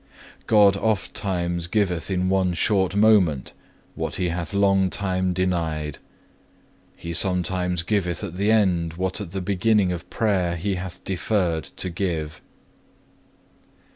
God ofttimes giveth in one short moment what He hath long time denied; He sometimes giveth at the end what at the beginning of prayer He hath deferred to give.